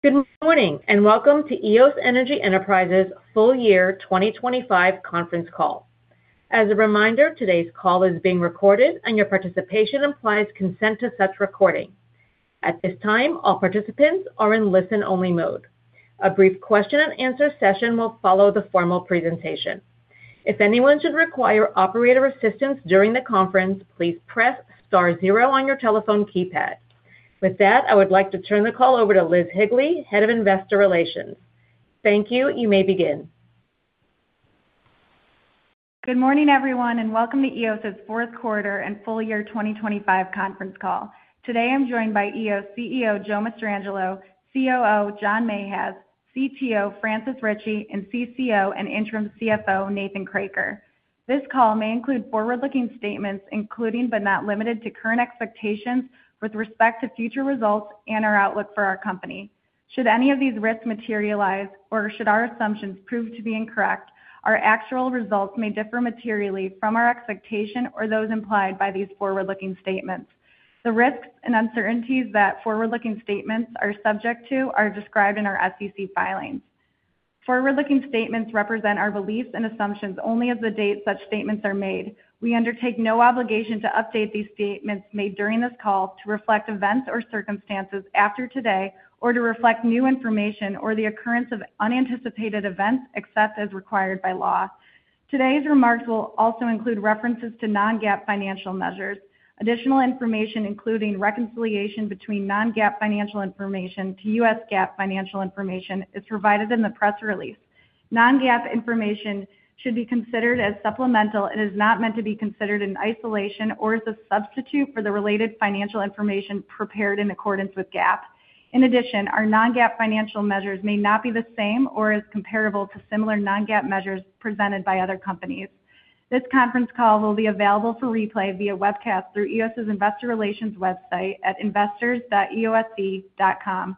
Good morning. Welcome to Eos Energy Enterprises' full year 2025 conference call. As a reminder, today's call is being recorded, and your participation implies consent to such recording. At this time, all participants are in listen-only mode. A brief question and answer session will follow the formal presentation. If anyone should require operator assistance during the conference, please press star zero on your telephone keypad. With that, I would like to turn the call over to Liz Higley, Head of Investor Relations. Thank you. You may begin. Good morning, everyone, and welcome to Eos' 4th quarter and full year 2025 conference call. Today, I'm joined by Eos CEO, Joe Mastrangelo, COO, John Mahaz, CTO, Francis Richey, and CCO and Interim CFO, Nathan Kroeker. This call may include forward-looking statements, including, but not limited to, current expectations with respect to future results and our outlook for our company. Should any of these risks materialize or should our assumptions prove to be incorrect, our actual results may differ materially from our expectation or those implied by these forward-looking statements. The risks and uncertainties that forward-looking statements are subject to are described in our SEC filings. Forward-looking statements represent our beliefs and assumptions only as the date such statements are made. We undertake no obligation to update these statements made during this call to reflect events or circumstances after today, or to reflect new information or the occurrence of unanticipated events, except as required by law. Today's remarks will also include references to non-GAAP financial measures. Additional information, including reconciliation between non-GAAP financial information to U.S. GAAP financial information, is provided in the press release. Non-GAAP information should be considered as supplemental and is not meant to be considered in isolation or as a substitute for the related financial information prepared in accordance with GAAP. In addition, our non-GAAP financial measures may not be the same or as comparable to similar non-GAAP measures presented by other companies. This conference call will be available for replay via webcast through Eos's Investor Relations website at investors.eose.com.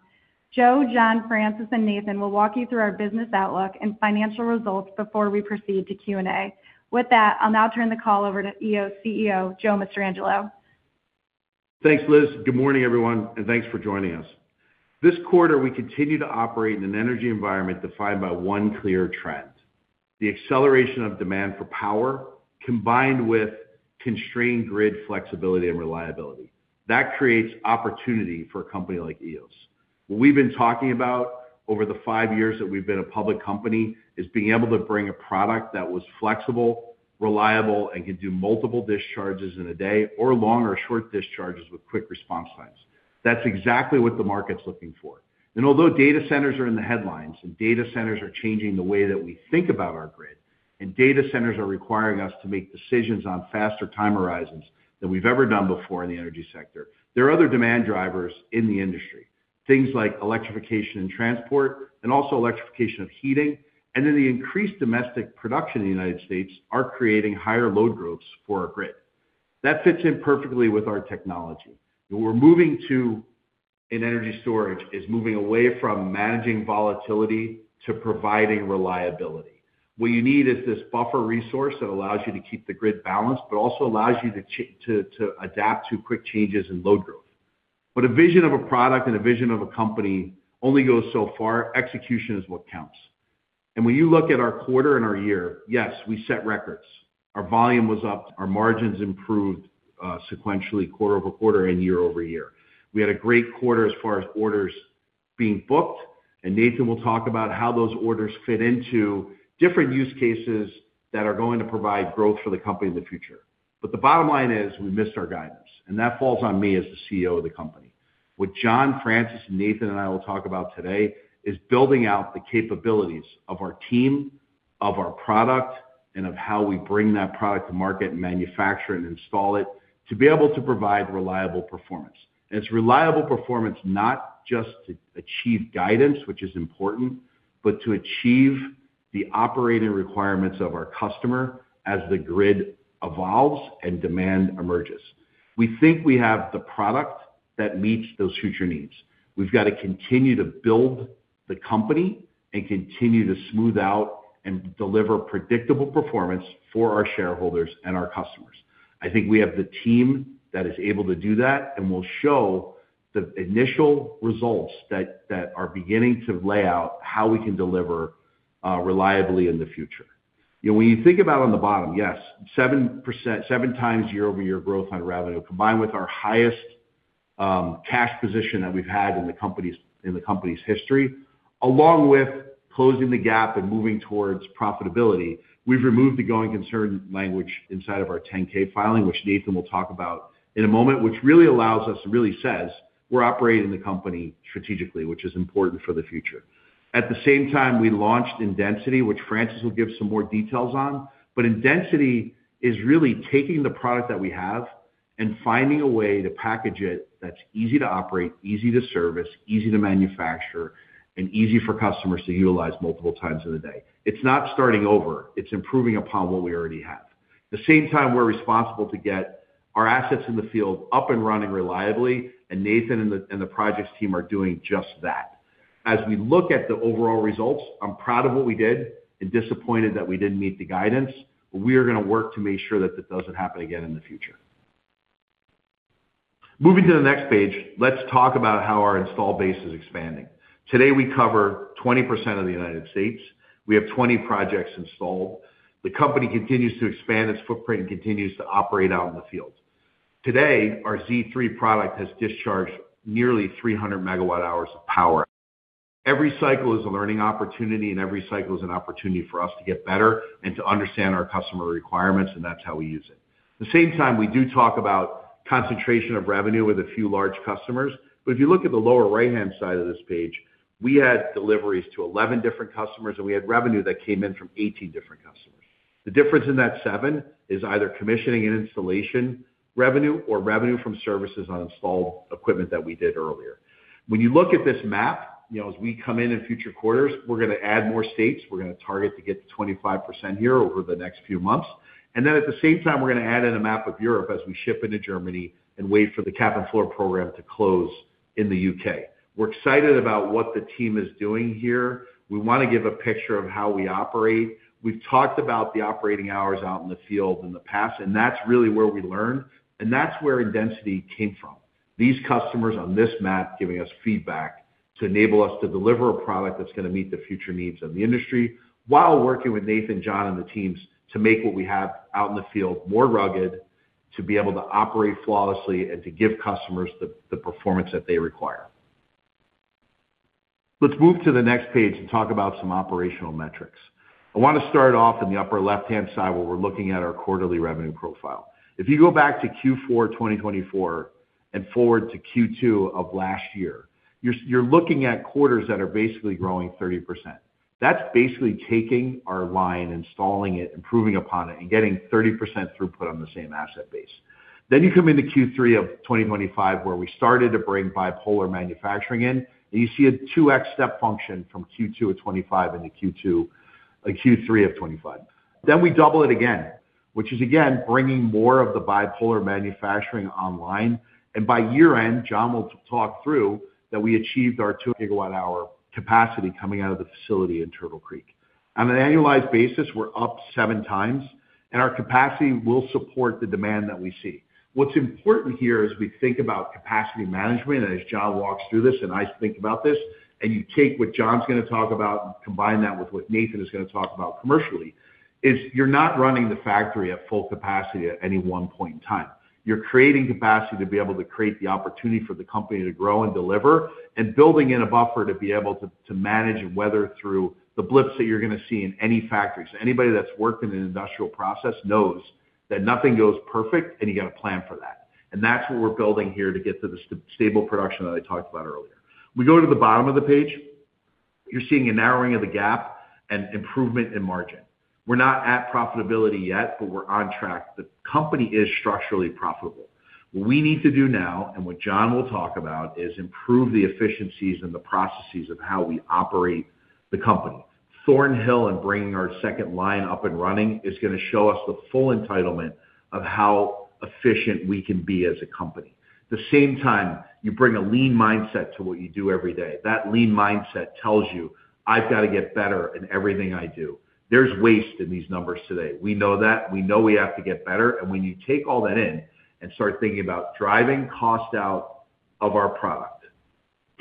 Joe, John, Francis, and Nathan will walk you through our business outlook and financial results before we proceed to Q&A. With that, I'll now turn the call over to Eos CEO, Joe Mastrangelo. Thanks, Liz. Good morning, everyone. Thanks for joining us. This quarter, we continue to operate in an energy environment defined by one clear trend: the acceleration of demand for power, combined with constrained grid flexibility and reliability. That creates opportunity for a company like Eos. What we've been talking about over the five years that we've been a public company is being able to bring a product that was flexible, reliable, and could do multiple discharges in a day or long or short discharges with quick response times. That's exactly what the market's looking for. Although data centers are in the headlines, and data centers are changing the way that we think about our grid, and data centers are requiring us to make decisions on faster time horizons than we've ever done before in the energy sector, there are other demand drivers in the industry. Things like electrification and transport, also electrification of heating, the increased domestic production in the United States are creating higher load growths for our grid. That fits in perfectly with our technology. What we're moving to in energy storage is moving away from managing volatility to providing reliability. What you need is this buffer resource that allows you to keep the grid balanced, also allows you to adapt to quick changes in load growth. A vision of a product and a vision of a company only goes so far. Execution is what counts. When you look at our quarter and our year, yes, we set records. Our volume was up, our margins improved, sequentially, quarter-over-quarter and year-over-year. We had a great quarter as far as orders being booked, and Nathan will talk about how those orders fit into different use cases that are going to provide growth for the company in the future. The bottom line is, we missed our guidance, and that falls on me as the CEO of the company. What John, Francis, Nathan, and I will talk about today is building out the capabilities of our team, of our product, and of how we bring that product to market and manufacture and install it to be able to provide reliable performance. It's reliable performance, not just to achieve guidance, which is important, but to achieve the operating requirements of our customer as the grid evolves and demand emerges. We think we have the product that meets those future needs. We've got to continue to build the company and continue to smooth out and deliver predictable performance for our shareholders and our customers. I think we have the team that is able to do that, and we'll show the initial results that are beginning to lay out how we can deliver reliably in the future. You know, when you think about on the bottom, yes, 7x year-over-year growth on revenue, combined with our highest cash position that we've had in the company's history, along with closing the gap and moving towards profitability. We've removed the going concern language inside of our 10-K filing, which Nathan will talk about in a moment, which really allows us, it really says, we're operating the company strategically, which is important for the future. At the same time, we launched Indensity, which Francis will give some more details on. Indensity is really taking the product that we have and finding a way to package it that's easy to operate, easy to service, easy to manufacture, and easy for customers to utilize multiple times in a day. It's not starting over, it's improving upon what we already have. At the same time, we're responsible to get our assets in the field up and running reliably, Nathan and the projects team are doing just that. As we look at the overall results, I'm proud of what we did and disappointed that we didn't meet the guidance, we are gonna work to make sure that that doesn't happen again in the future. Moving to the next page, let's talk about how our install base is expanding. Today, we cover 20% of the United States. We have 20 projects installed. The company continues to expand its footprint and continues to operate out in the field. Today, our Z3 product has discharged nearly 300 megawatt-hours of power. Every cycle is a learning opportunity, and every cycle is an opportunity for us to get better and to understand our customer requirements, and that's how we use it. At the same time, we do talk about concentration of revenue with a few large customers, but if you look at the lower right-hand side of this page, we had deliveries to 11 different customers, and we had revenue that came in from 18 different customers. The difference in that 7 is either commissioning and installation revenue or revenue from services on installed equipment that we did earlier. When you look at this map, you know, as we come in in future quarters, we're gonna add more states. We're gonna target to get to 25% here over the next few months. At the same time, we're gonna add in a map of Europe as we ship into Germany and wait for the cap and floor program to close in the UK. We're excited about what the team is doing here. We want to give a picture of how we operate. We've talked about the operating hours out in the field in the past, and that's really where we learn, and that's where Indensity came from. These customers on this map giving us feedback to enable us to deliver a product that's gonna meet the future needs of the industry, while working with Nathan, John, and the teams to make what we have out in the field more rugged, to be able to operate flawlessly and to give customers the performance that they require. Let's move to the next page and talk about some operational metrics. I want to start off in the upper left-hand side, where we're looking at our quarterly revenue profile. If you go back to Q4 2024 and forward to Q2 of last year, you're looking at quarters that are basically growing 30%. That's basically taking our line, installing it, improving upon it, and getting 30% throughput on the same asset base. You come into Q3 of 2025, where we started to bring bipolar manufacturing in, and you see a 2x step function from Q2 of 25 into Q3 of 25. We double it again, which is again, bringing more of the bipolar manufacturing online. By year end, John will talk through that we achieved our 2 gigawatt hour capacity coming out of the facility in Turtle Creek. On an annualized basis, we're up 7x, and our capacity will support the demand that we see. What's important here as we think about capacity management and as John walks through this, and I think about this, and you take what John's gonna talk about and combine that with what Nathan is gonna talk about commercially, is you're not running the factory at full capacity at any one point in time. You're creating capacity to be able to create the opportunity for the company to grow and deliver, and building in a buffer to be able to manage and weather through the blips that you're gonna see in any factory. Anybody that's worked in an industrial process knows that nothing goes perfect, and you got to plan for that. That's what we're building here to get to the stable production that I talked about earlier. We go to the bottom of the page, you're seeing a narrowing of the gap and improvement in margin. We're not at profitability yet, but we're on track. The company is structurally profitable. What we need to do now, and what John will talk about, is improve the efficiencies and the processes of how we operate the company. Thorn Hill and bringing our second line up and running is gonna show us the full entitlement of how efficient we can be as a company. At the same time, you bring a lean mindset to what you do every day. That lean mindset tells you, "I've got to get better in everything I do." There's waste in these numbers today. We know that. We know we have to get better. When you take all that in and start thinking about driving cost out of our product,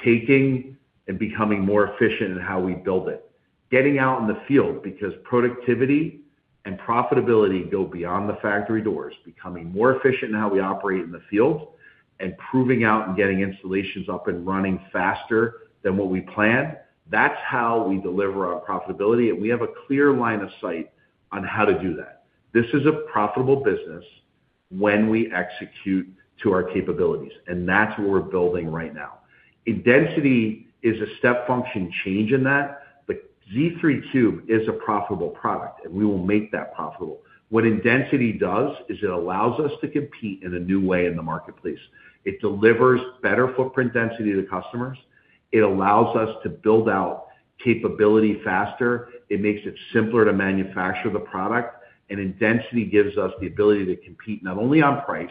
taking and becoming more efficient in how we build it, getting out in the field, because productivity and profitability go beyond the factory doors, becoming more efficient in how we operate in the field, proving out and getting installations up and running faster than what we plan, that's how we deliver our profitability. We have a clear line of sight on how to do that. This is a profitable business when we execute to our capabilities. That's what we're building right now. Density is a step function change in that. Z3 Cube is a profitable product. We will make that profitable. What Indensity does is it allows us to compete in a new way in the marketplace. It delivers better footprint density to the customers. It allows us to build out capability faster. It makes it simpler to manufacture the product, and Indensity gives us the ability to compete not only on price,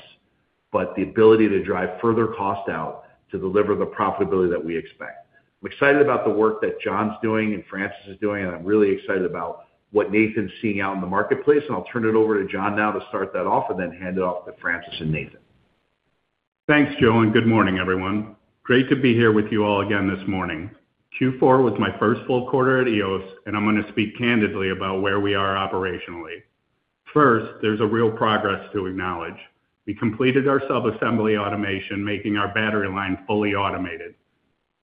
but the ability to drive further cost out to deliver the profitability that we expect. I'm excited about the work that John's doing and Francis is doing, and I'm really excited about what Nathan's seeing out in the marketplace, and I'll turn it over to John now to start that off, and then hand it off to Francis and Nathan. Thanks, Joe. Good morning, everyone. Great to be here with you all again this morning. Q4 was my first full quarter at Eos. I'm gonna speak candidly about where we are operationally. First, there's a real progress to acknowledge. We completed our self-assembly automation, making our battery line fully automated.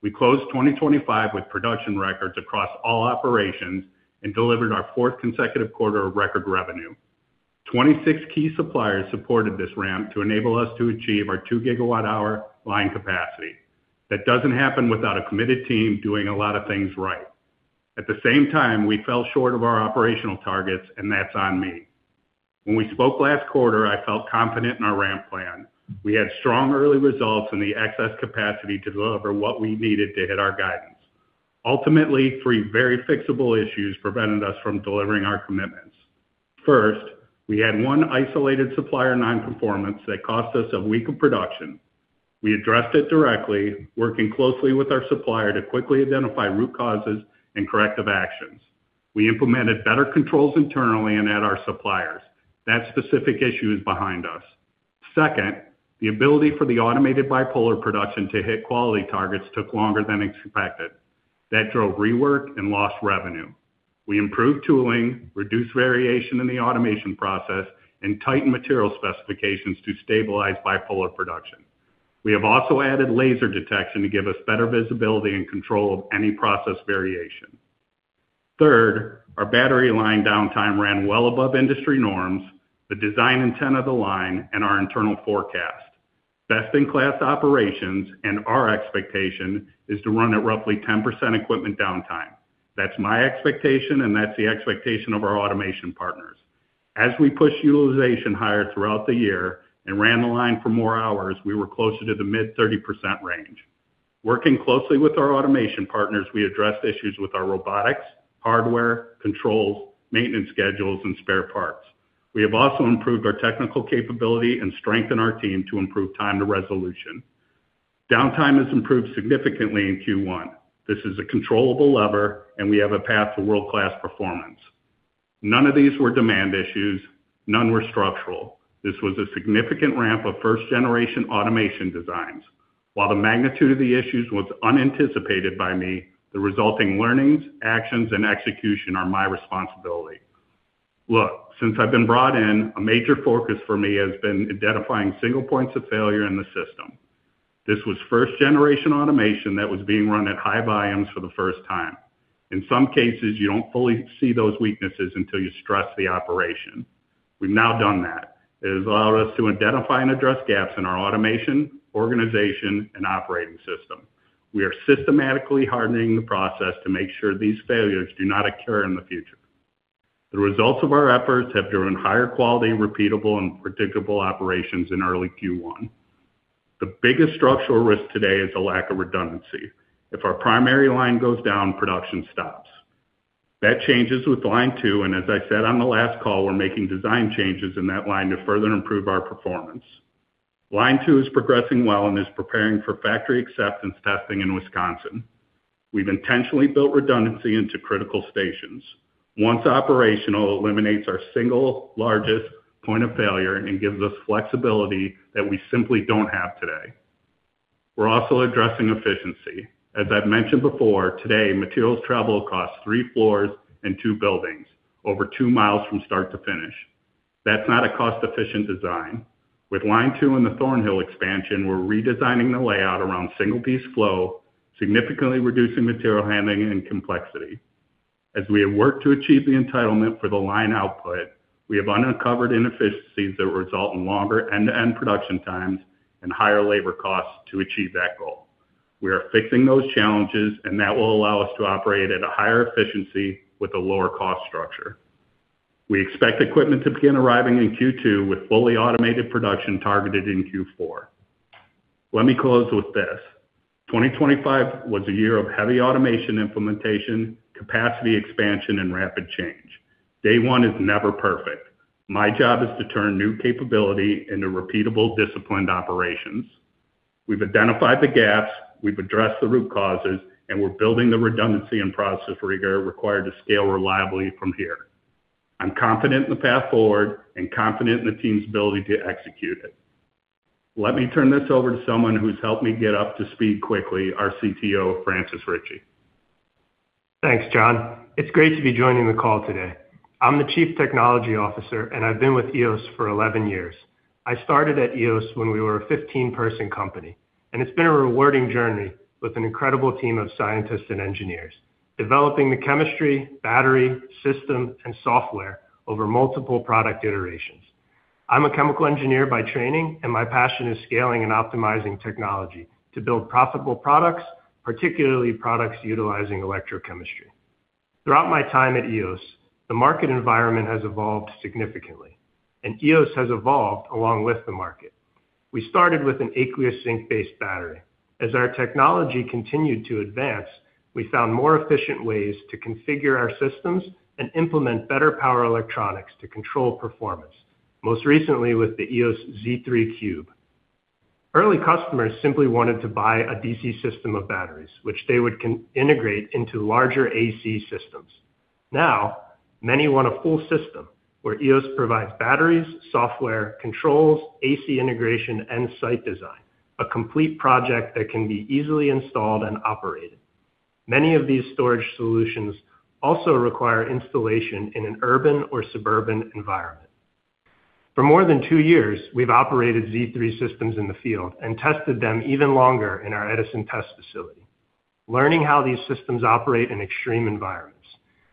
We closed 2025 with production records across all operations and delivered our fourth consecutive quarter of record revenue. 26 key suppliers supported this ramp to enable us to achieve our 2 gigawatt hour line capacity. That doesn't happen without a committed team doing a lot of things right. At the same time, we fell short of our operational targets. That's on me. When we spoke last quarter, I felt confident in our ramp plan. We had strong early results and the excess capacity to deliver what we needed to hit our guidance. Ultimately, three very fixable issues prevented us from delivering our commitments. First, we had one isolated supplier non-conformance that cost us one week of production. We addressed it directly, working closely with our supplier to quickly identify root causes and corrective actions. We implemented better controls internally and at our suppliers. That specific issue is behind us. Second, the ability for the automated bipolar production to hit quality targets took longer than expected. That drove rework and lost revenue. We improved tooling, reduced variation in the automation process, and tightened material specifications to stabilize bipolar production. We have also added laser detection to give us better visibility and control of any process variation. Third, our battery line downtime ran well above industry norms, the design intent of the line, and our internal forecast. Best-in-class operations and our expectation is to run at roughly 10% equipment downtime. That's my expectation, and that's the expectation of our automation partners. As we push utilization higher throughout the year and ran the line for more hours, we were closer to the mid 30% range. Working closely with our automation partners, we addressed issues with our robotics, hardware, controls, maintenance schedules, and spare parts. We have also improved our technical capability and strengthened our team to improve time to resolution. Downtime has improved significantly in Q1. This is a controllable lever, and we have a path to world-class performance. None of these were demand issues, none were structural. This was a significant ramp of first-generation automation designs. While the magnitude of the issues was unanticipated by me, the resulting learnings, actions, and execution are my responsibility. Look, since I've been brought in, a major focus for me has been identifying single points of failure in the system. This was 1st-generation automation that was being run at high volumes for the first time. In some cases, you don't fully see those weaknesses until you stress the operation. We've now done that. It has allowed us to identify and address gaps in our automation, organization, and operating system. We are systematically hardening the process to make sure these failures do not occur in the future. The results of our efforts have driven higher quality, repeatable, and predictable operations in early Q1. The biggest structural risk today is a lack of redundancy. If our primary line goes down, production stops. That changes with line 2, and as I said on the last call, we're making design changes in that line to further improve our performance. Line 2 is progressing well and is preparing for factory acceptance testing in Wisconsin. We've intentionally built redundancy into critical stations. Once operational, eliminates our single largest point of failure and gives us flexibility that we simply don't have today. We're also addressing efficiency. As I've mentioned before, today, materials travel across three floors and two buildings, over two miles from start to finish. That's not a cost-efficient design. With line two and the Thorn Hill expansion, we're redesigning the layout around single-piece flow, significantly reducing material handling and complexity. As we have worked to achieve the entitlement for the line output, we have uncovered inefficiencies that result in longer end-to-end production times and higher labor costs to achieve that goal. We are fixing those challenges. That will allow us to operate at a higher efficiency with a lower cost structure. We expect equipment to begin arriving in Q2 with fully automated production targeted in Q4. Let me close with this. 2025 was a year of heavy automation implementation, capacity expansion, and rapid change. Day one is never perfect. My job is to turn new capability into repeatable, disciplined operations. We've identified the gaps, we've addressed the root causes, and we're building the redundancy and process rigor required to scale reliably from here. I'm confident in the path forward and confident in the team's ability to execute it. Let me turn this over to someone who's helped me get up to speed quickly, our CTO, Francis Richey. Thanks, John. It's great to be joining the call today. I'm the chief technology officer, and I've been with Eos for 11 years. I started at Eos when we were a 15-person company, and it's been a rewarding journey with an incredible team of scientists and engineers, developing the chemistry, battery, system, and software over multiple product iterations. I'm a chemical engineer by training, and my passion is scaling and optimizing technology to build profitable products, particularly products utilizing electrochemistry. Throughout my time at Eos, the market environment has evolved significantly, and Eos has evolved along with the market. We started with an aqueous zinc-based battery. As our technology continued to advance, we found more efficient ways to configure our systems and implement better power electronics to control performance, most recently with the Eos Z3 Cube. Early customers simply wanted to buy a DC system of batteries, which they would integrate into larger AC systems. Many want a full system where Eos provides batteries, software, controls, AC integration, and site design, a complete project that can be easily installed and operated. Many of these storage solutions also require installation in an urban or suburban environment. For more than two years, we've operated Z3 systems in the field and tested them even longer in our Edison test facility, learning how these systems operate in extreme environments.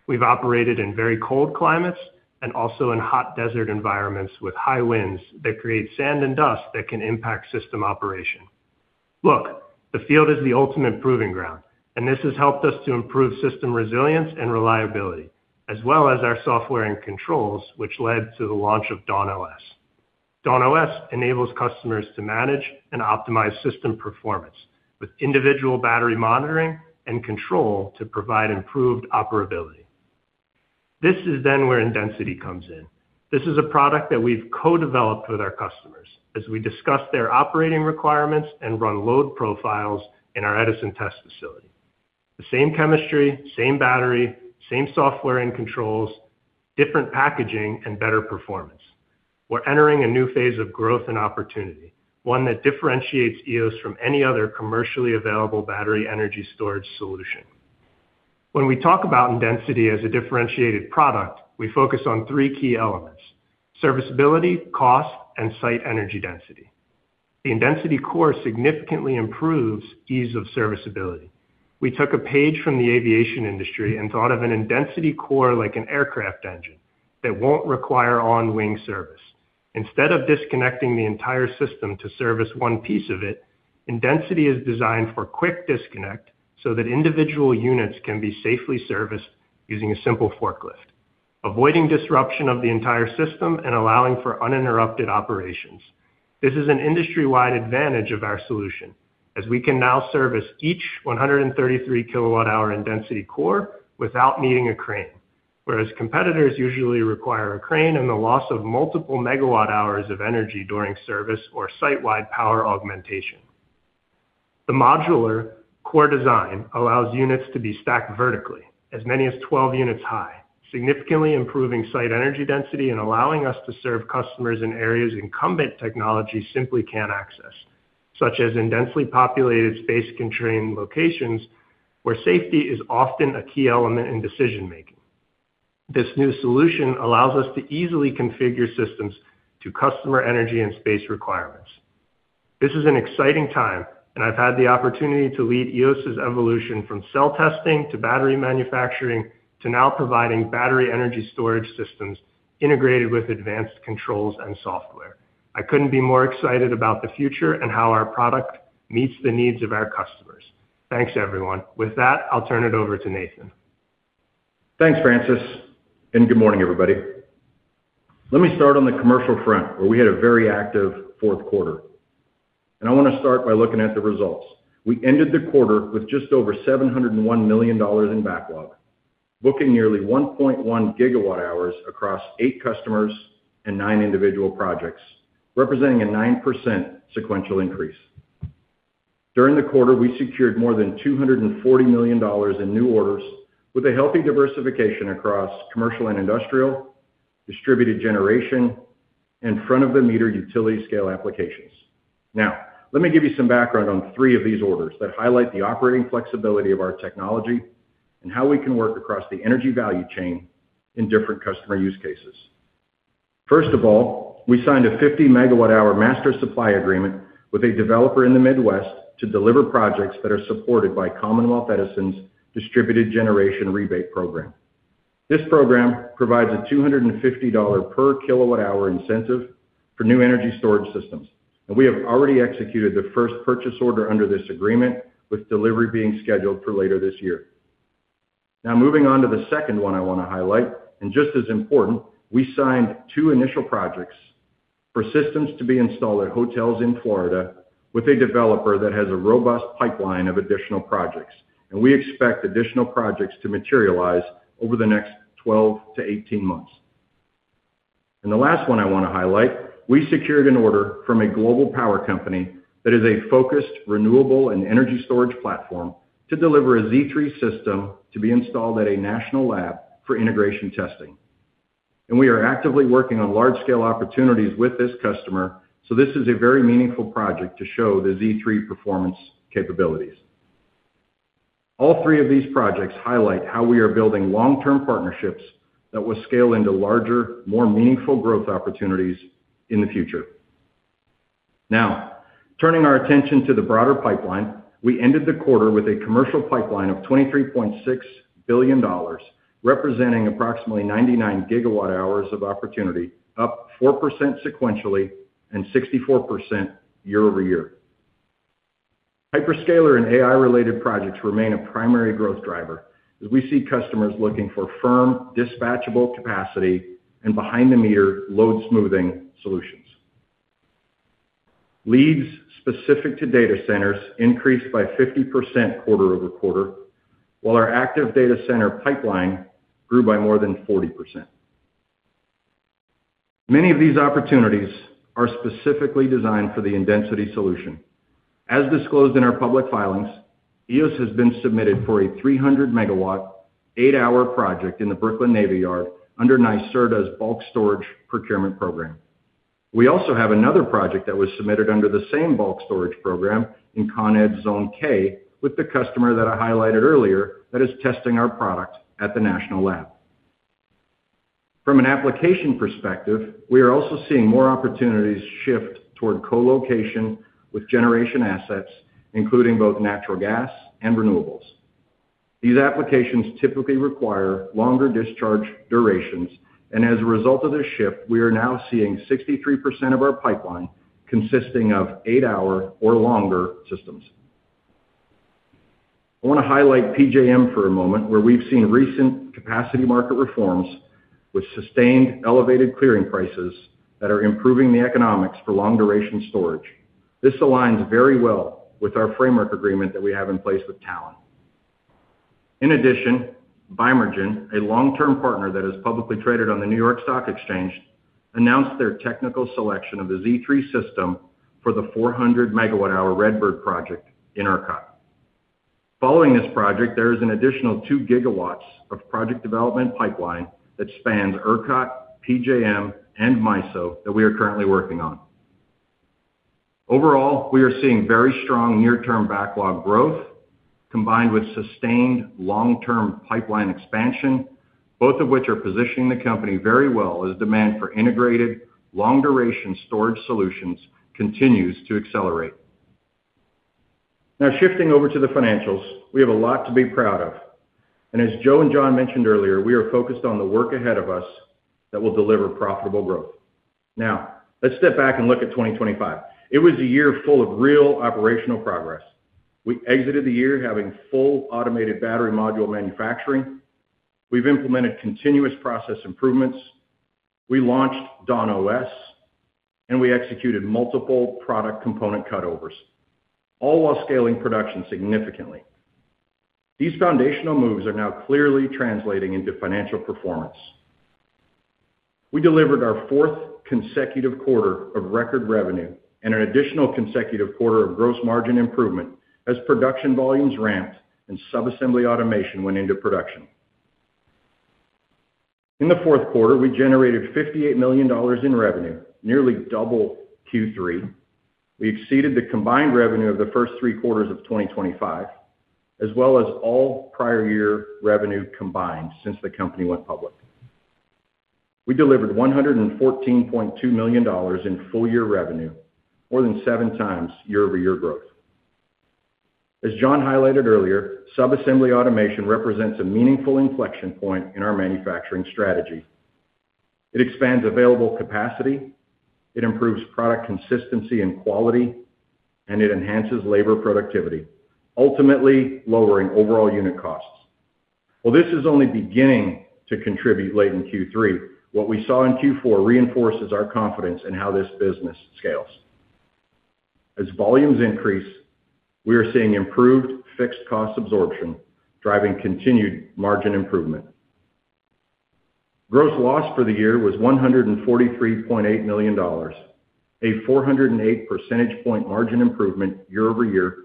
We've operated in very cold climates and also in hot desert environments with high winds that create sand and dust that can impact system operation. The field is the ultimate proving ground, and this has helped us to improve system resilience and reliability, as well as our software and controls, which led to the launch of DawnOS. DawnOS enables customers to manage and optimize system performance with individual battery monitoring and control to provide improved operability. This is where Indensity comes in. This is a product that we've co-developed with our customers as we discuss their operating requirements and run load profiles in our Edison test facility. The same chemistry, same battery, same software and controls, different packaging, and better performance. We're entering a new phase of growth and opportunity, one that differentiates Eos from any other commercially available battery energy storage solution. When we talk about Indensity as a differentiated product, we focus on three key elements: serviceability, cost, and site energy density. The Indensity Core significantly improves ease of serviceability. We took a page from the aviation industry and thought of an Indensity Core like an aircraft engine that won't require on-wing service. Instead of disconnecting the entire system to service one piece of it, Indensity is designed for quick disconnect so that individual units can be safely serviced using a simple forklift, avoiding disruption of the entire system and allowing for uninterrupted operations. This is an industry-wide advantage of our solution, as we can now service each 133 kWh Indensity Core without needing a crane, whereas competitors usually require a crane and the loss of multiple megawatt-hours of energy during service or site-wide power augmentation. The modular core design allows units to be stacked vertically, as many as 12 units high, significantly improving site energy density and allowing us to serve customers in areas incumbent technology simply can't access, such as in densely populated, space-constrained locations, where safety is often a key element in decision-making. This new solution allows us to easily configure systems to customer energy and space requirements. This is an exciting time, and I've had the opportunity to lead Eos's evolution from cell testing to battery manufacturing, to now providing battery energy storage systems integrated with advanced controls and software. I couldn't be more excited about the future and how our product meets the needs of our customers. Thanks, everyone. With that, I'll turn it over to Nathan. Thanks, Francis. Good morning, everybody. Let me start on the commercial front, where we had a very active fourth quarter. I want to start by looking at the results. We ended the quarter with just over $701 million in backlog, booking nearly 1.1 gigawatt hours across eight customers and nine individual projects, representing a 9% sequential increase. During the quarter, we secured more than $240 million in new orders with a healthy diversification across commercial and industrial, Distributed Generation, and front-of-the-meter utility scale applications. Let me give you some background on three of these orders that highlight the operating flexibility of our technology and how we can work across the energy value chain in different customer use cases. First of all, we signed a 50 MWh master supply agreement with a developer in the Midwest to deliver projects that are supported by Commonwealth Edison's Distributed Generation Rebate Program. This program provides a $250 per kWh incentive for new energy storage systems, and we have already executed the first purchase order under this agreement, with delivery being scheduled for later this year. Moving on to the second one I want to highlight, and just as important, we signed two initial projects for systems to be installed at hotels in Florida with a developer that has a robust pipeline of additional projects, and we expect additional projects to materialize over the next 12-18 months. The last one I want to highlight, we secured an order from a global power company that is a focused, renewable and energy storage platform to deliver a Z3 system to be installed at a national lab for integration testing. We are actively working on large-scale opportunities with this customer, so this is a very meaningful project to show the Z3 performance capabilities. All three of these projects highlight how we are building long-term partnerships that will scale into larger, more meaningful growth opportunities in the future. Turning our attention to the broader pipeline, we ended the quarter with a commercial pipeline of $23.6 billion, representing approximately 99 gigawatt hours of opportunity, up 4% sequentially and 64% year-over-year. Hyperscaler and AI-related projects remain a primary growth driver as we see customers looking for firm, dispatchable capacity and behind-the-meter load smoothing solutions. Leads specific to data centers increased by 50% quarter-over-quarter, while our active data center pipeline grew by more than 40%. Many of these opportunities are specifically designed for the Eos Indensity solution. As disclosed in our public filings, Eos has been submitted for a 300 MW, 8-hour project in the Brooklyn Navy Yard under NYSERDA's Bulk Storage Procurement Program. We also have another project that was submitted under the same bulk storage program in Con Ed Zone K with the customer that I highlighted earlier, that is testing our product at the national lab. From an application perspective, we are also seeing more opportunities shift toward co-location with generation assets, including both natural gas and renewables. These applications typically require longer discharge durations. As a result of this shift, we are now seeing 63% of our pipeline consisting of 8-hour or longer systems. I want to highlight PJM for a moment, where we've seen recent capacity market reforms with sustained elevated clearing prices that are improving the economics for long-duration storage. This aligns very well with our framework agreement that we have in place with Talen. In addition, Bimergen, a long-term partner that is publicly traded on the New York Stock Exchange, announced their technical selection of the Z3 system for the 400 megawatt-hour Redbird project in ERCOT. Following this project, there is an additional 2 gigawatts of project development pipeline that spans ERCOT, PJM, and MISO that we are currently working on. Overall, we are seeing very strong near-term backlog growth, combined with sustained long-term pipeline expansion, both of which are positioning the company very well as demand for integrated, long-duration storage solutions continues to accelerate. Shifting over to the financials, we have a lot to be proud of, and as Joe and John mentioned earlier, we are focused on the work ahead of us that will deliver profitable growth. Let's step back and look at 2025. It was a year full of real operational progress. We exited the year having full automated battery module manufacturing. We've implemented continuous process improvements. We launched DawnOS, and we executed multiple product component cutovers, all while scaling production significantly. These foundational moves are now clearly translating into financial performance. We delivered our fourth consecutive quarter of record revenue and an additional consecutive quarter of gross margin improvement, as production volumes ramped and sub-assembly automation went into production. In the fourth quarter, we generated $58 million in revenue, nearly double Q3. We exceeded the combined revenue of the first three quarters of 2025, as well as all prior year revenue combined since the company went public. We delivered $114.2 million in full-year revenue, more than 7x year-over-year growth. As John highlighted earlier, sub-assembly automation represents a meaningful inflection point in our manufacturing strategy. It expands available capacity, it improves product consistency and quality, and it enhances labor productivity, ultimately lowering overall unit costs. Well, this is only beginning to contribute late in Q3. What we saw in Q4 reinforces our confidence in how this business scales. As volumes increase, we are seeing improved fixed cost absorption, driving continued margin improvement. Gross loss for the year was $143.8 million, a 408 percentage point margin improvement year-over-year,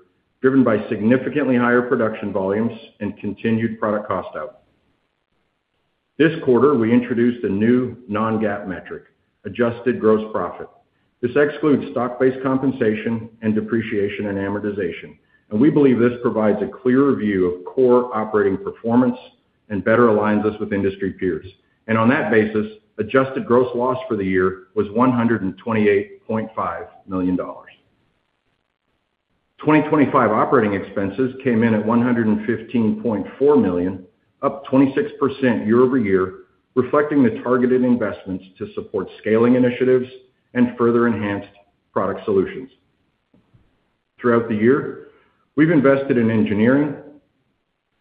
driven by significantly higher production volumes and continued product cost out. This quarter, we introduced a new non-GAAP metric, adjusted gross profit. We believe this excludes stock-based compensation and depreciation and amortization, and provides a clearer view of core operating performance and better aligns us with industry peers. On that basis, adjusted gross loss for the year was $128.5 million. 2025 operating expenses came in at $115.4 million, up 26% year-over-year, reflecting the targeted investments to support scaling initiatives and further enhanced product solutions. Throughout the year, we've invested in engineering,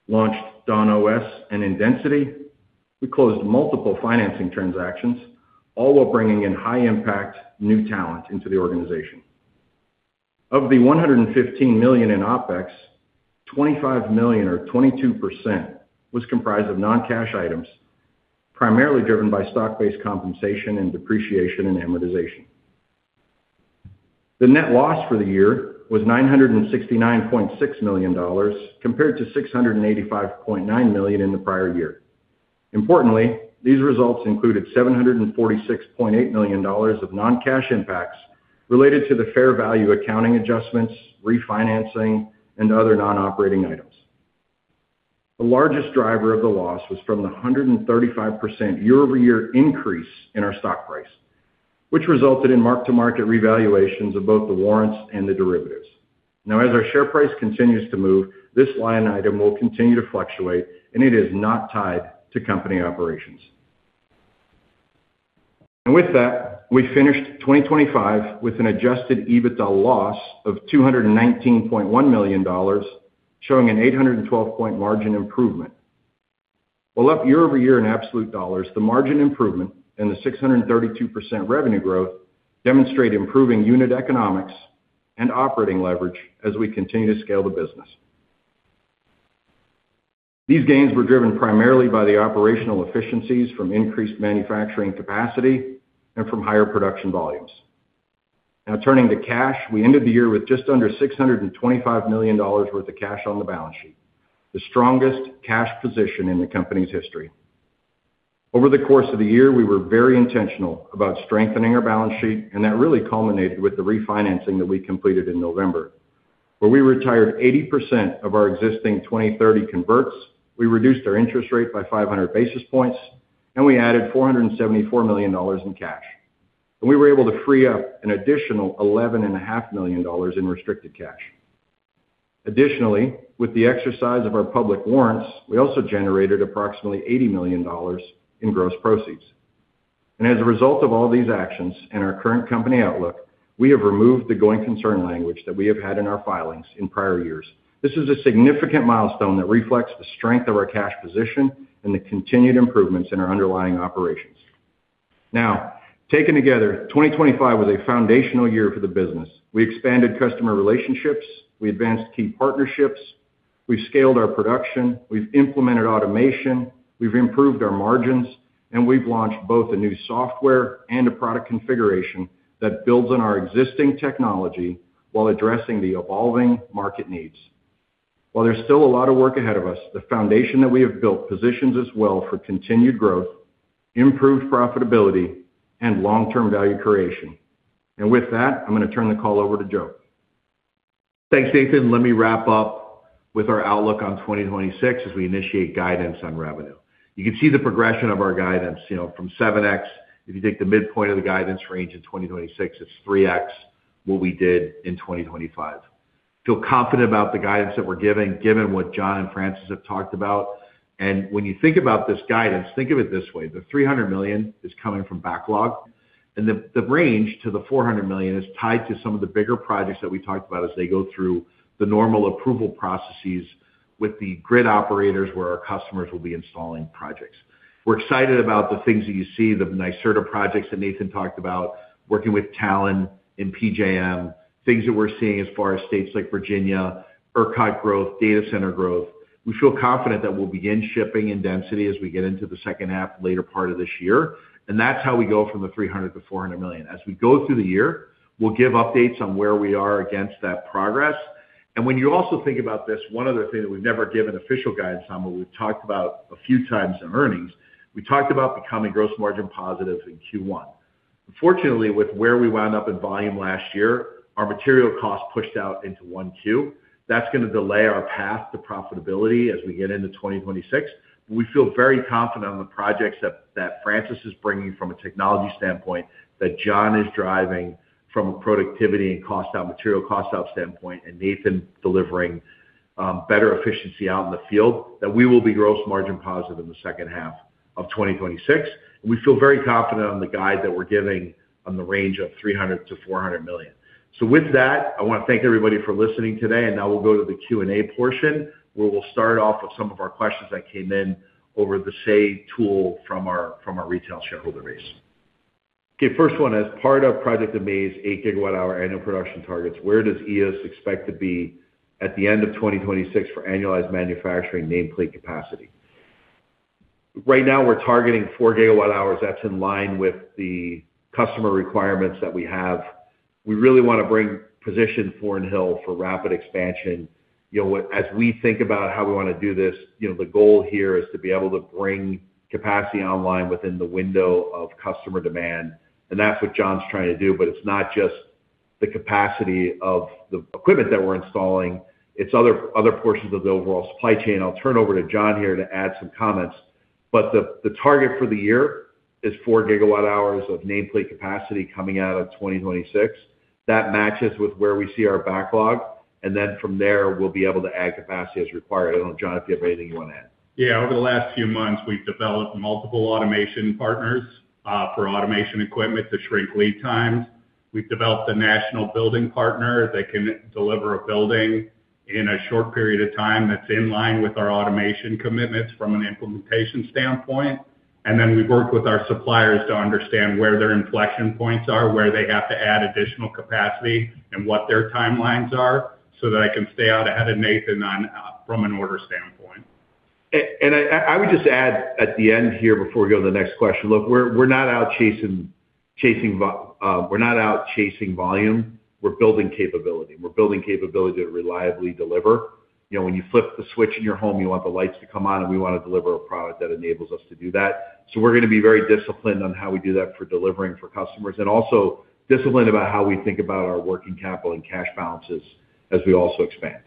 launched DawnOS and Indensity. We closed multiple financing transactions, all while bringing in high-impact new talent into the organization. Of the $115 million in OpEx, $25 million or 22%, was comprised of non-cash items, primarily driven by stock-based compensation and depreciation and amortization. The net loss for the year was $969.6 million, compared to $685.9 million in the prior year. Importantly, these results included $746.8 million of non-cash impacts related to the fair value accounting adjustments, refinancing, and other non-operating items. The largest driver of the loss was from the 135% year-over-year increase in our stock price, which resulted in mark-to-market revaluations of both the warrants and the derivatives. Now, as our share price continues to move, this line item will continue to fluctuate, and it is not tied to company operations. With that, we finished 2025 with an adjusted EBITDA loss of $219.1 million, showing an 812 point margin improvement. While up year-over-year in absolute dollars, the margin improvement and the 632% revenue growth demonstrate improving unit economics and operating leverage as we continue to scale the business. These gains were driven primarily by the operational efficiencies from increased manufacturing capacity and from higher production volumes. Now turning to cash, we ended the year with just under $625 million worth of cash on the balance sheet, the strongest cash position in the company's history. Over the course of the year, we were very intentional about strengthening our balance sheet, that really culminated with the refinancing that we completed in November, where we retired 80% of our existing 2030 converts. We reduced our interest rate by 500 basis points, and we added $474 million in cash. We were able to free up an additional eleven and a half million dollars in restricted cash. Additionally, with the exercise of our public warrants, we also generated approximately $80 million in gross proceeds. As a result of all these actions and our current company outlook, we have removed the going concern language that we have had in our filings in prior years. This is a significant milestone that reflects the strength of our cash position and the continued improvements in our underlying operations. Taken together, 2025 was a foundational year for the business. We expanded customer relationships, we advanced key partnerships, we've scaled our production, we've implemented automation, we've improved our margins, and we've launched both a new software and a product configuration that builds on our existing technology while addressing the evolving market needs. While there's still a lot of work ahead of us, the foundation that we have built positions us well for continued growth, improved profitability, and long-term value creation. With that, I'm going to turn the call over to Joe. Thanks, Nathan. Let me wrap up with our outlook on 2026 as we initiate guidance on revenue. You can see the progression of our guidance, you know, from 7x. If you take the midpoint of the guidance range in 2026, it's 3x, what we did in 2025. Feel confident about the guidance that we're giving, given what John and Francis have talked about. When you think about this guidance, think of it this way: the $300 million is coming from backlog, and the range to the $400 million is tied to some of the bigger projects that we talked about as they go through the normal approval processes with the grid operators, where our customers will be installing projects. We're excited about the things that you see, the NYSERDA projects that Nathan talked about, working with Talen and PJM, things that we're seeing as far as states like Virginia, ERCOT growth, data center growth. We feel confident that we'll begin shipping Indensity as we get into the second half, later part of this year. That's how we go from the $300 million-$400 million. As we go through the year, we'll give updates on where we are against that progress. When you also think about this, one other thing that we've never given official guidance on, but we've talked about a few times in earnings, we talked about becoming gross margin positive in Q1. Unfortunately, with where we wound up in volume last year, our material costs pushed out into Q1. That's going to delay our path to profitability as we get into 2026. We feel very confident on the projects that Francis is bringing from a technology standpoint, that John is driving from a productivity and cost out, material cost out standpoint, and Nathan delivering better efficiency out in the field, that we will be gross margin positive in the second half of 2026. We feel very confident on the guide that we're giving on the range of $300 million-$400 million. With that, I want to thank everybody for listening today, and now we'll go to the Q&A portion, where we'll start off with some of our questions that came in over the say, tool from our retail shareholder base. Okay, first one. As part of Project AMAZE 8 GWh annual production targets, where does Eos expect to be at the end of 2026 for annualized manufacturing nameplate capacity? Right now, we're targeting 4 GWh. That's in line with the customer requirements that we have. We really want to bring position Thorn Hill for rapid expansion. You know what? As we think about how we want to do this, you know, the goal here is to be able to bring capacity online within the window of customer demand, and that's what John's trying to do. It's not just the capacity of the equipment that we're installing, it's other portions of the overall supply chain. I'll turn over to John here to add some comments. The target for the year is 4 GWh of nameplate capacity coming out of 2026. That matches with where we see our backlog, and then from there, we'll be able to add capacity as required. I don't know, John, if you have anything you want to add. Yeah. Over the last few months, we've developed multiple automation partners for automation equipment to shrink lead times. We've developed a national building partner that can deliver a building in a short period of time that's in line with our automation commitments from an implementation standpoint. Then we've worked with our suppliers to understand where their inflection points are, where they have to add additional capacity, and what their timelines are, so that I can stay out ahead of Nathan from an order standpoint. I would just add at the end here before we go to the next question. Look, we're not out chasing volume, we're building capability. We're building capability to reliably deliver. You know, when you flip the switch in your home, you want the lights to come on, and we want to deliver a product that enables us to do that. We're going to be very disciplined on how we do that for delivering for customers, and also disciplined about how we think about our working capital and cash balances as we also expand.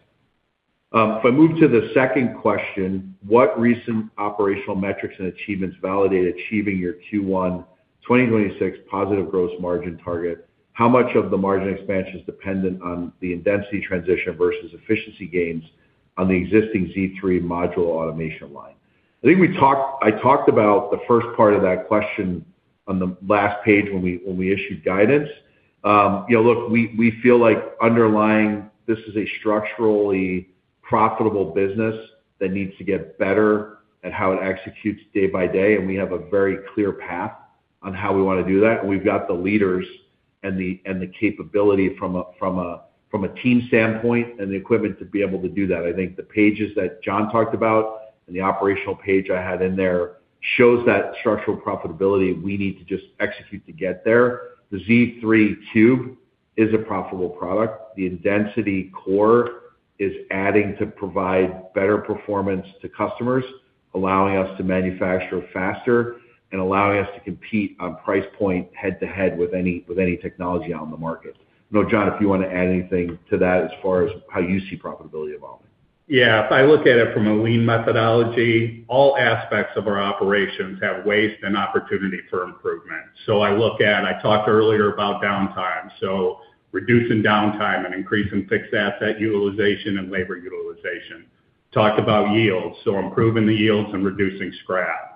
If I move to the second question, what recent operational metrics and achievements validate achieving your Q1 2026 positive gross margin target? How much of the margin expansion is dependent on the Indensity transition versus efficiency gains on the existing Z3 module automation line? I talked about the first part of that question on the last page when we, when we issued guidance. You know, look, we feel like underlying this is a structurally profitable business that needs to get better at how it executes day by day, and we have a very clear path on how we want to do that. We've got the leaders and the capability from a team standpoint and the equipment to be able to do that. I think the pages that John talked about and the operational page I had in there shows that structural profitability we need to just execute to get there. The Z3 2 is a profitable product. The Indensity Core is adding to provide better performance to customers, allowing us to manufacture faster, and allowing us to compete on price point head-to-head with any technology on the market. I know, John, if you want to add anything to that as far as how you see profitability evolving? Yeah. If I look at it from a lean methodology, all aspects of our operations have waste and opportunity for improvement. I talked earlier about downtime, so reducing downtime and increasing fixed asset utilization and labor utilization.... talked about yields, so improving the yields and reducing scrap.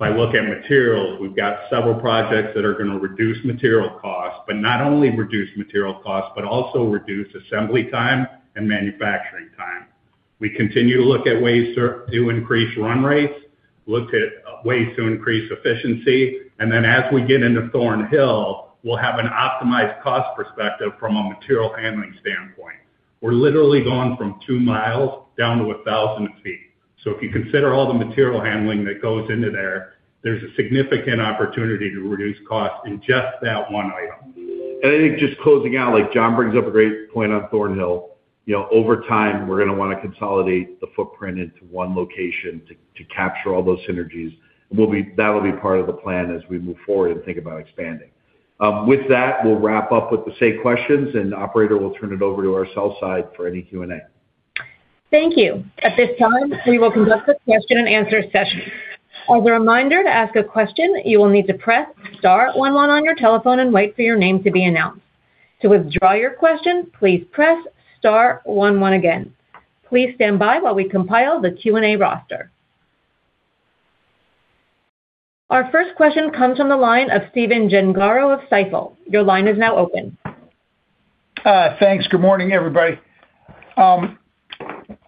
If I look at materials, we've got several projects that are going to reduce material costs, but not only reduce material costs, but also reduce assembly time and manufacturing time. We continue to look at ways to increase run rates, look at ways to increase efficiency, and then as we get into Thorn Hill, we'll have an optimized cost perspective from a material handling standpoint. We're literally going from two miles down to 1,000 feet. If you consider all the material handling that goes into there's a significant opportunity to reduce costs in just that one item. I think just closing out, like, John brings up a great point on Thorn Hill. You know, over time, we're going to want to consolidate the footprint into one location to capture all those synergies. That will be part of the plan as we move forward and think about expanding. With that, we'll wrap up with the same questions, operator will turn it over to our sell side for any Q&A. Thank you. At this time, we will conduct a question and answer session. As a reminder, to ask a question, you will need to press star one one on your telephone and wait for your name to be announced. To withdraw your question, please press star one one again. Please stand by while we compile the Q&A roster. Our first question comes from the line of Stephen Gengaro of Stifel. Your line is now open. Thanks. Good morning, everybody.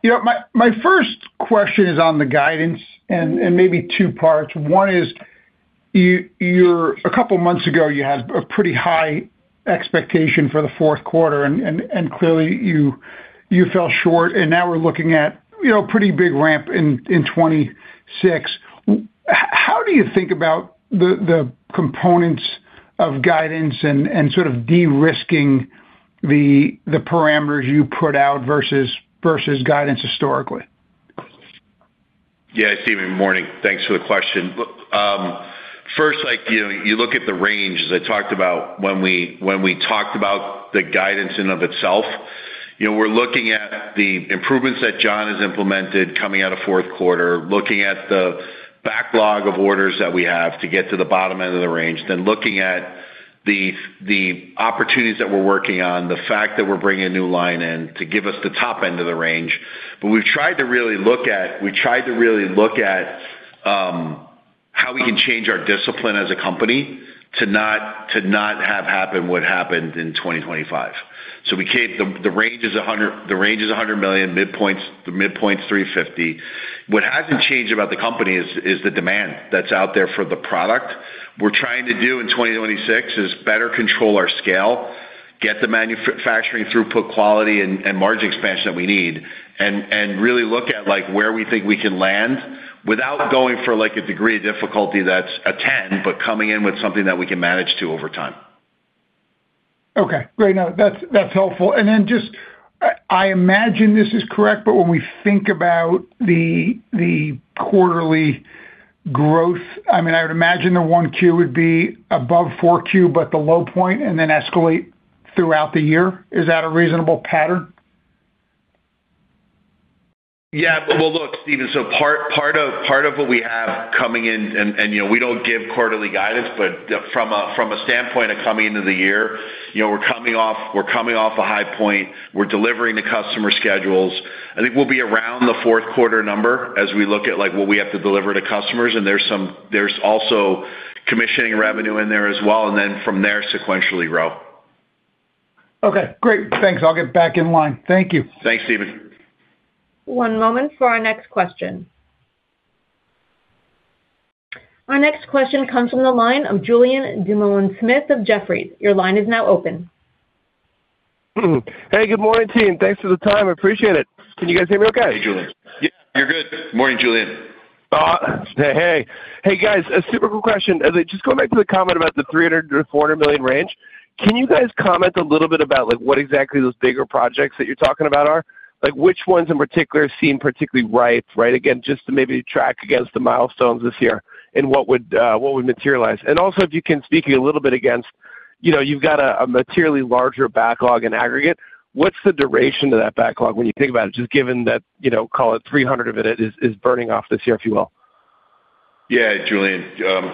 you know, my first question is on the guidance and maybe two parts. One is, a couple of months ago, you had a pretty high expectation for the fourth quarter, and clearly, you fell short, and now we're looking at, you know, pretty big ramp in 2026. How do you think about the components of guidance and sort of de-risking the parameters you put out versus guidance historically? Yeah, Stephen, morning. Thanks for the question. First, like, you look at the range, as I talked about when we talked about the guidance in and of itself. You know, we're looking at the improvements that John has implemented coming out of fourth quarter, looking at the backlog of orders that we have to get to the bottom end of the range, then looking at the opportunities that we're working on, the fact that we're bringing a new line in to give us the top end of the range. We've tried to really look at how we can change our discipline as a company to not have happen what happened in 2025. The range is $100 million, the midpoint's $350 million. What hasn't changed about the company is the demand that's out there for the product. We're trying to do in 2026, is better control our scale, get the manufacturing throughput quality and margin expansion that we need, really look at, like, where we think we can land without going for, like, a degree of difficulty that's a 10, but coming in with something that we can manage to over time. Okay, great. No, that's helpful. Just, I imagine this is correct, but when we think about the quarterly growth, I mean, I would imagine the 1Q would be above 4Q, but the low point, and then escalate throughout the year. Is that a reasonable pattern? Yeah. Well, look, Stephen, so part of what we have coming in, and, you know, we don't give quarterly guidance, but from a standpoint of coming into the year, you know, we're coming off a high point. We're delivering the customer schedules. I think we'll be around the fourth quarter number as we look at, like, what we have to deliver to customers, and there's also commissioning revenue in there as well, and then from there, sequentially grow. Okay, great. Thanks. I'll get back in line. Thank you. Thanks, Stephen. One moment for our next question. Our next question comes from the line of Julien Dumoulin-Smith of Jefferies. Your line is now open. Hey, good morning, team. Thanks for the time. Appreciate it. Can you guys hear me okay? Hey, Julien. Yeah, you're good. Morning, Julien. Hey, hey, guys, a super quick question. I just go back to the comment about the $300 million-$400 million range, can you guys comment a little bit about, like, what exactly those bigger projects that you're talking about are? Which ones in particular seem particularly ripe, right? Again, just to maybe track against the milestones this year and what would materialize. Also, if you can, speaking a little bit against, you know, you've got a materially larger backlog in aggregate. What's the duration of that backlog when you think about it, just given that, you know, call it $300 of it is burning off this year, if you will? Yeah, Julien,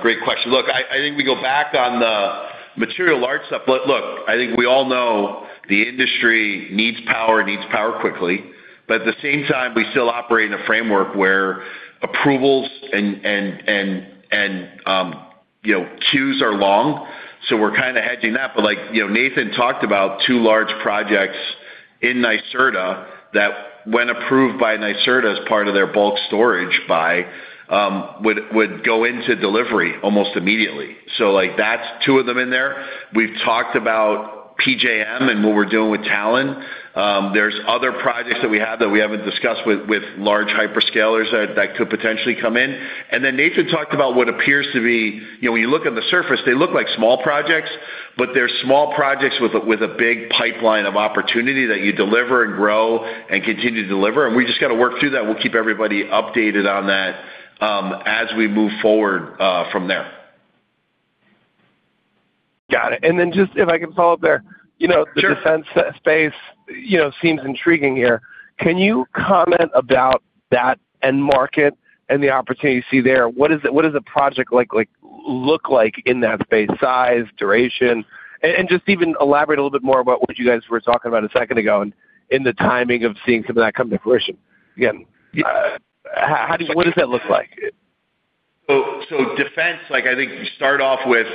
great question. Look, I think we go back on the material large stuff. Look, I think we all know the industry needs power, needs power quickly. At the same time, we still operate in a framework where approvals and, and, you know, queues are long, so we're kind of hedging that. Like, you know, Nathan talked about two large projects in NYSERDA that when approved by NYSERDA as part of their Bulk Storage buy, would go into delivery almost immediately. Like, that's two of them in there. We've talked about PJM and what we're doing with Talen. There's other projects that we have that we haven't discussed with large hyperscalers that could potentially come in. Then Nathan talked about what appears to be... You know, when you look on the surface, they look like small projects, but they're small projects with a, with a big pipeline of opportunity that you deliver and grow and continue to deliver, and we just got to work through that. We'll keep everybody updated on that, as we move forward from there. Got it. Just if I can follow up there. Sure. You know, the defense space, you know, seems intriguing here. Can you comment about that end market and the opportunity you see there? What is the project like?... look like in that space, size, duration, and just even elaborate a little bit more about what you guys were talking about a second ago, and in the timing of seeing some of that come to fruition. Again, how what does that look like? Defense, like, I think you start off with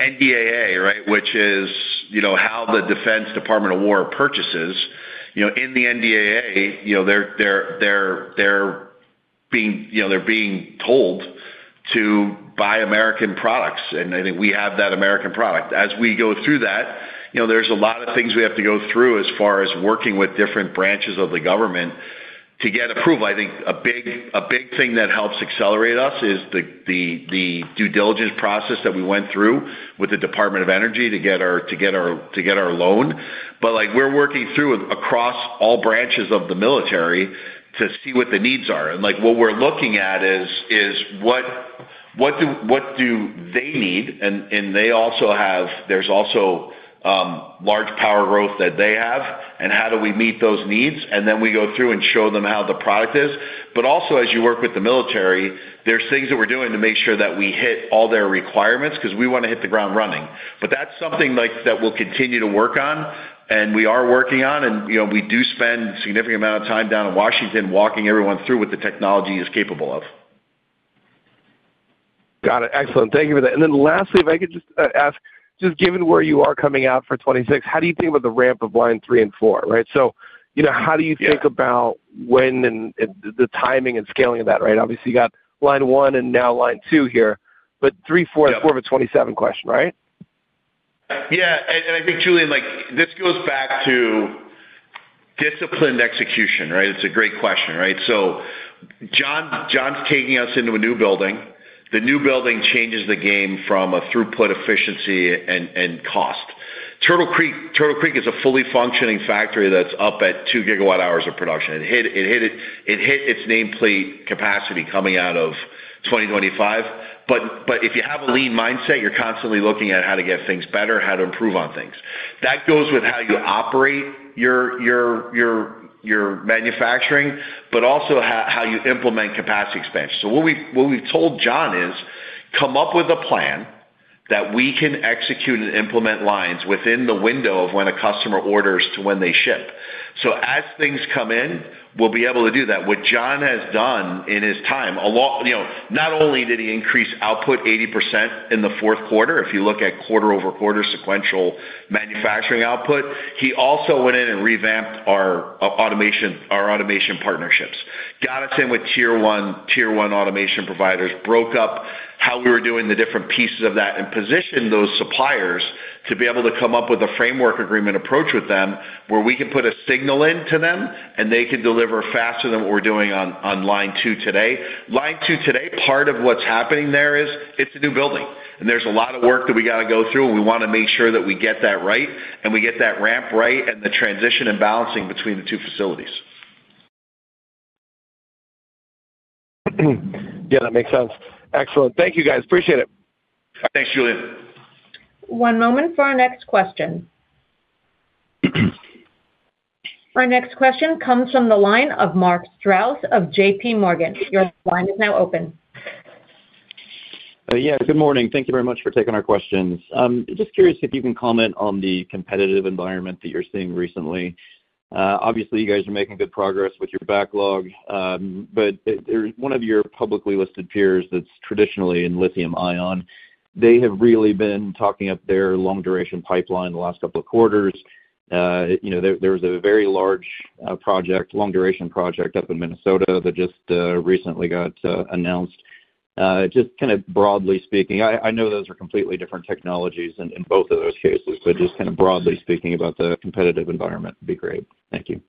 NDAA, right? Which is, you know, how the Department of Defense purchases. In the NDAA, you know, they're being told to buy American products, and I think we have that American product. As we go through that, you know, there's a lot of things we have to go through as far as working with different branches of the government to get approval. I think a big thing that helps accelerate us is the due diligence process that we went through with the Department of Energy to get our loan. Like, we're working through across all branches of the military to see what the needs are. Like, what we're looking at is what do they need? They also have, there's also large power growth that they have, and how do we meet those needs. We go through and show them how the product is. Also, as you work with the military, there's things that we're doing to make sure that we hit all their requirements, 'cause we want to hit the ground running. That's something like, that we'll continue to work on, and we are working on, and, you know, we do spend a significant amount of time down in Washington walking everyone through what the technology is capable of. Got it. Excellent. Thank you for that. Lastly, if I could just ask, just given where you are coming out for 26, how do you think about the ramp of line three and four, right? Yeah -about when and the timing and scaling of that, right? Obviously, you got line one and now line two here, but three, four- Yeah -more of a 27 question, right? I think, Julien, like, this goes back to disciplined execution, right? It's a great question, right? John's taking us into a new building. The new building changes the game from a throughput efficiency and cost. Turtle Creek is a fully functioning factory that's up at 2 gigawatt hours of production. It hit its nameplate capacity coming out of 2025. If you have a lean mindset, you're constantly looking at how to get things better, how to improve on things. That goes with how you operate your manufacturing, but also how you implement capacity expansion. What we've told John is, "Come up with a plan that we can execute and implement lines within the window of when a customer orders to when they ship." As things come in, we'll be able to do that. What John has done in his time, you know, not only did he increase output 80% in the fourth quarter, if you look at quarter-over-quarter sequential manufacturing output, he also went in and revamped our automation, our automation partnerships, got us in with tier one automation providers, broke up how we were doing the different pieces of that, and positioned those suppliers to be able to come up with a framework agreement approach with them, where we can put a signal into them, and they can deliver faster than what we're doing on line two today. Line two today, part of what's happening there is, it's a new building, and there's a lot of work that we got to go through, and we want to make sure that we get that right, and we get that ramp right, and the transition and balancing between the two facilities. Yeah, that makes sense. Excellent. Thank you, guys. Appreciate it. Thanks, Julien. One moment for our next question. Our next question comes from the line of Mark Strouse of J.P. Morgan. Your line is now open. Yeah, good morning. Thank you very much for taking our questions. Just curious if you can comment on the competitive environment that you're seeing recently. Obviously, you guys are making good progress with your backlog, but there's one of your publicly listed peers that's traditionally in lithium-ion. They have really been talking up their long-duration pipeline the last couple of quarters. You know, there was a very large project, long-duration project up in Minnesota that just recently got announced. Just kind of broadly speaking, I know those are completely different technologies in both of those cases, but just kind of broadly speaking about the competitive environment would be great. Thank you.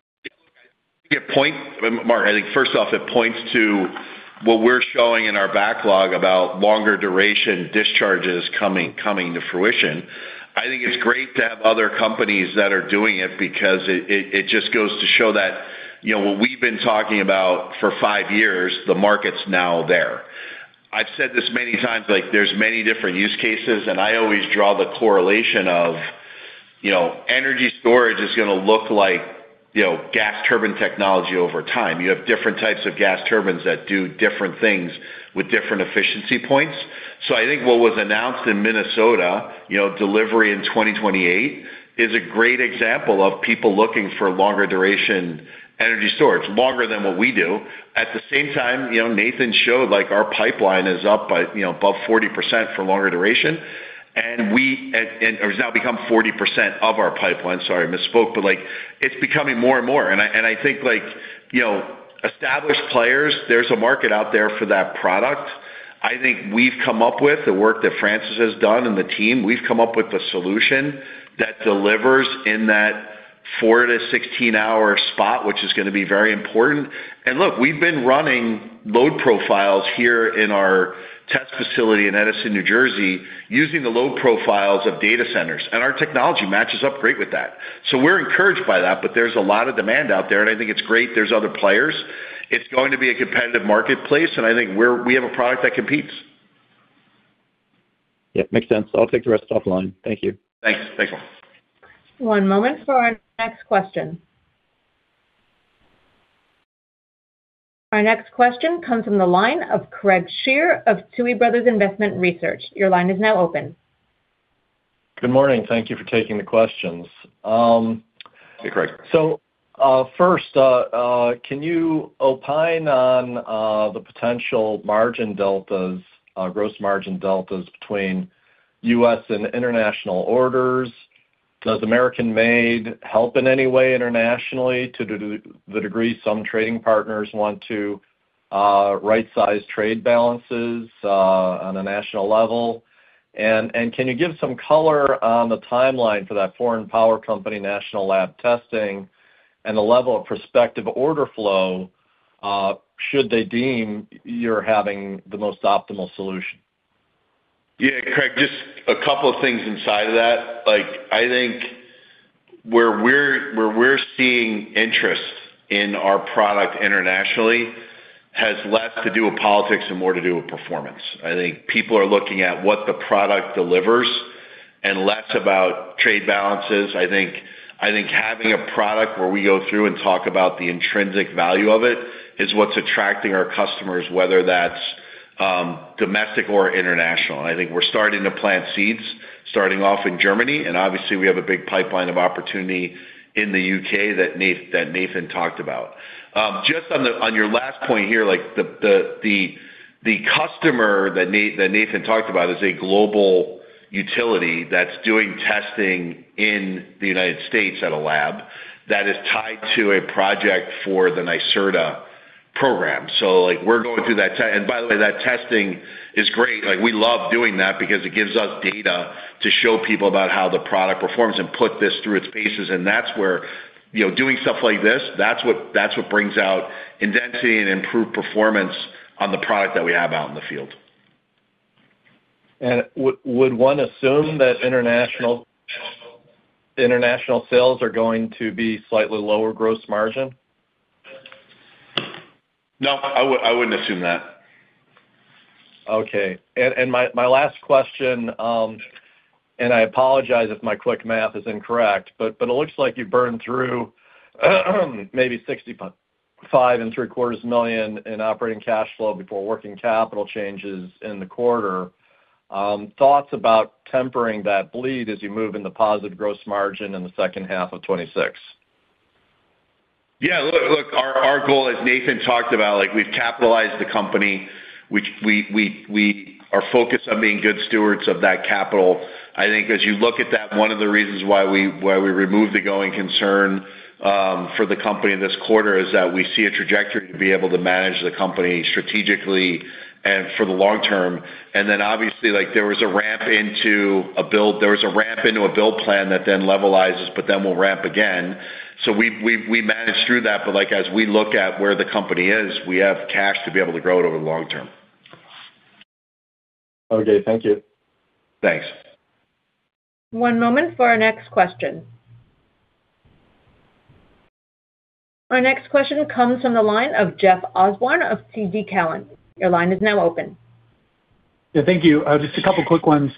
Mark, I think first off, it points to what we're showing in our backlog about longer duration discharges coming to fruition. I think it's great to have other companies that are doing it because it just goes to show that, you know, what we've been talking about for five years, the market's now there. I've said this many times, like, there's many different use cases, I always draw the correlation of, you know, energy storage is gonna look like, you know, gas turbine technology over time. You have different types of gas turbines that do different things with different efficiency points. I think what was announced in Minnesota, you know, delivery in 2028, is a great example of people looking for longer duration energy storage, longer than what we do. At the same time, you know, Nathan showed, like, our pipeline is up by, you know, above 40% for longer duration. It has now become 40% of our pipeline. Sorry, I misspoke. Like, it's becoming more and more, and I think, like, you know, established players, there's a market out there for that product. I think we've come up with, the work that Francis has done and the team, we've come up with a solution that delivers in that 4-16-hour spot, which is gonna be very important. Look, we've been running load profiles here in our test facility in Edison, New Jersey, using the load profiles of data centers, and our technology matches up great with that. We're encouraged by that, but there's a lot of demand out there, and I think it's great there's other players. It's going to be a competitive marketplace, and I think we have a product that competes. Yeah, makes sense. I'll take the rest off the line. Thank you. Thanks. Thanks, Mark. One moment for our next question. Our next question comes from the line of Craig Shere of Tuohy Brothers Investment Research. Your line is now open. Good morning. Thank you for taking the questions. Hey, Craig. First, can you opine on the potential margin deltas, gross margin deltas between U.S. and international orders? Does American made help in any way internationally to the degree some trading partners want to right-size trade balances on a national level? Can you give some color on the timeline for that foreign power company national lab testing and the level of prospective order flow should they deem you're having the most optimal solution? Craig, just a couple of things inside of that. Like, I think where we're seeing interest in our product internationally has less to do with politics and more to do with performance. I think people are looking at what the product delivers and less about trade balances. I think having a product where we go through and talk about the intrinsic value of it is what's attracting our customers, whether that's domestic or international. I think we're starting to plant seeds, starting off in Germany, and obviously we have a big pipeline of opportunity in the U.K. that Nathan talked about. On your last point here, like, the customer that Nathan talked about is a global utility that's doing testing in the United States at a lab that is tied to a project for the NYSERDA program. Like, we're going through that, and by the way, that testing is great. Like, we love doing that because it gives us data to show people about how the product performs and put this through its paces, and that's where, you know, doing stuff like this, that's what brings out Eos Indensity and improved performance on the product that we have out in the field. Would one assume that international sales are going to be slightly lower gross margin? No, I wouldn't assume that. Okay, my last question. I apologize if my quick math is incorrect, but it looks like you burned through, maybe $65.75 million in operating cash flow before working capital changes in the quarter. Thoughts about tempering that bleed as you move in the positive gross margin in the H2 of 2026? Yeah, look, our goal, as Nathan talked about, like, we've capitalized the company, which we are focused on being good stewards of that capital. I think as you look at that, one of the reasons why we removed the going concern for the company this quarter is that we see a trajectory to be able to manage the company strategically and for the long term. Obviously, like, there was a ramp into a build plan that then levelizes, but then we'll ramp again. We managed through that. Like, as we look at where the company is, we have cash to be able to grow it over the long term. Okay, thank you. Thanks. One moment for our next question. Our next question comes from the line of Jeff Osborne of TD Cowen. Your line is now open. Yeah, thank you. Just a couple quick ones.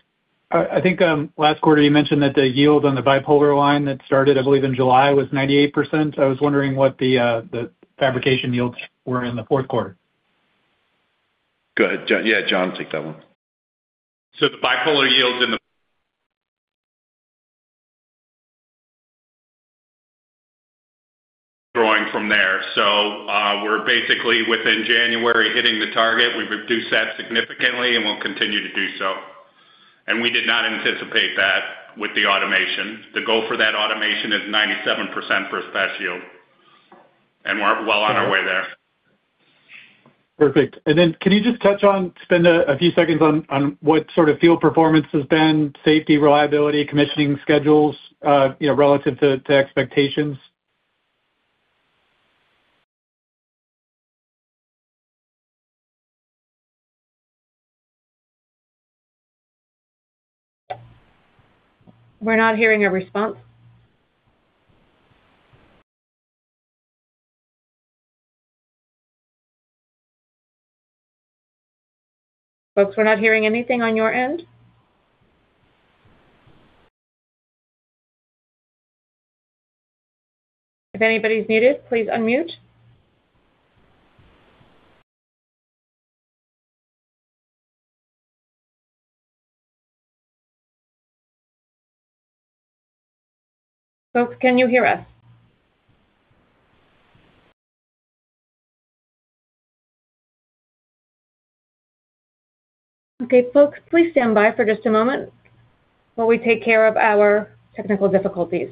I think last quarter you mentioned that the yield on the bipolar line that started, I believe, in July, was 98%. I was wondering what the fabrication yields were in the fourth quarter. Go ahead, John. Yeah, John, take that one. The bipolar yields in the growing from there. We're basically within January, hitting the target. We've reduced that significantly and will continue to do so. We did not anticipate that with the automation. The goal for that automation is 97% for a stat yield. We're well on our way there. Perfect. Then can you just touch on, spend a few seconds on what sort of field performance has been, safety, reliability, commissioning schedules, you know, relative to expectations? We're not hearing a response. Folks, we're not hearing anything on your end? If anybody's needed, please unmute. Folks, can you hear us? Okay, folks, please stand by for just a moment while we take care of our technical difficulties.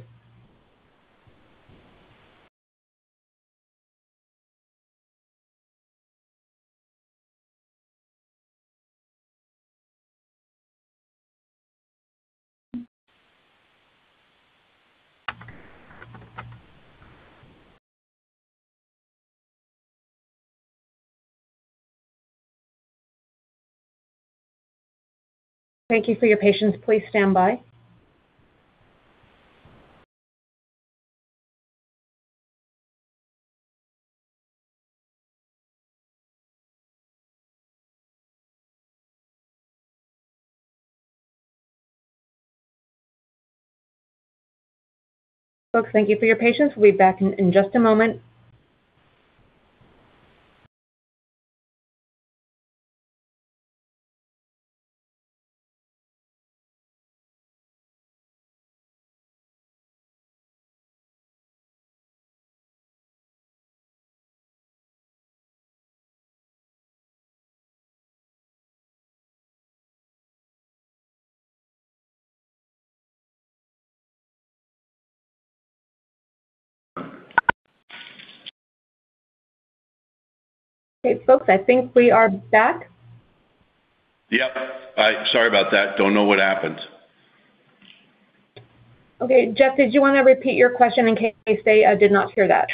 Thank you for your patience. Please stand by. Folks, thank you for your patience. We'll be back in just a moment. Okay, folks, I think we are back. Yep. Sorry about that. Don't know what happened. Okay, Jeff, did you want to repeat your question in case, say, I did not hear that?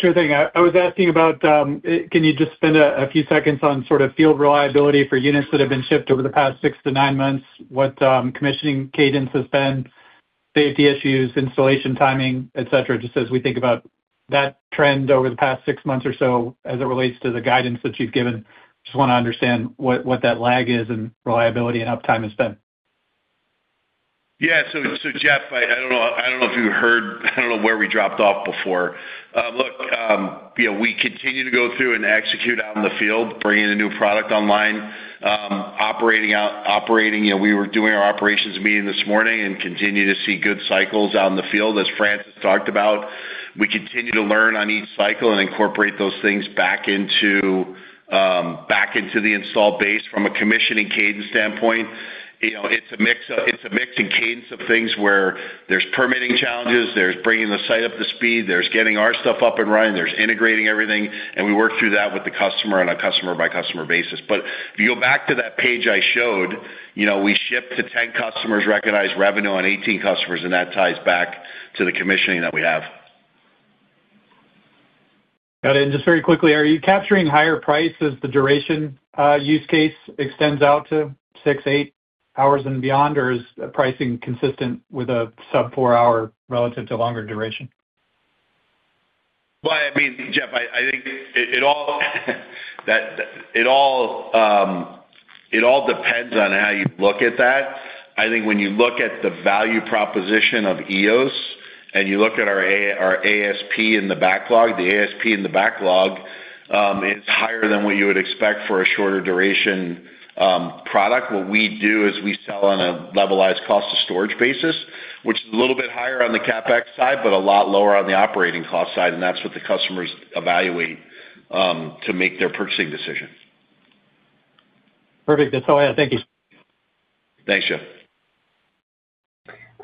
Sure thing. I was asking you about, can you just spend a few seconds on sort of field reliability for units that have been shipped over the past six to nine months? What, commissioning cadence has been, safety issues, installation, timing, et cetera, just as we think about that trend over the past six months or so as it relates to the guidance that you've given. Just want to understand what that lag is and reliability and uptime has been. Jeff, I don't know, I don't know if you heard, I don't know where we dropped off before. Look, you know, we continue to go through and execute out in the field, bringing the new product online, operating. You know, we were doing our operations meeting this morning and continue to see good cycles out in the field. Francis talked about, we continue to learn on each cycle and incorporate those things back into, back into the install base from a commissioning cadence standpoint. You know, it's a mix and cadence of things where there's permitting challenges, there's bringing the site up to speed, there's getting our stuff up and running, there's integrating everything, and we work through that with the customer on a customer-by-customer basis. If you go back to that page I showed, you know, we ship to 10 customers, recognize revenue on 18 customers, and that ties back to the commissioning that we have. Got it. Just very quickly, are you capturing higher price as the duration, use case extends out to six, eight hours and beyond? Or is pricing consistent with a sub four-hour relative to longer duration? Well, I mean, Jeff, I think it all depends on how you look at that. I think when you look at the value proposition of Eos and you look at our ASP in the backlog is higher than what you would expect for a shorter duration, product. What we do is we sell on a Levelized Cost of Storage basis, which is a little bit higher on the CapEx side, but a lot lower on the operating cost side. That's what the customers evaluate to make their purchasing decisions. Perfect. That's all I have. Thank you. Thanks, Jeff.